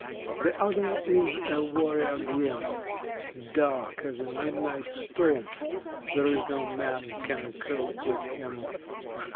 The other is a warrior grim, Dark as a midnight storm. There is no man can cope with him.